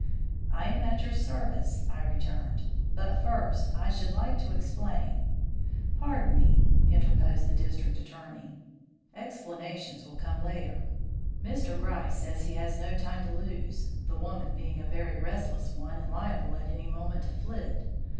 "I am at your service," I returned. "But, first, I should like to explain " "Pardon me," interposed the District Attorney. "Explanations will come later. Mr. Gryce says he has no time to lose, the woman being a very restless one and liable at any moment to flit.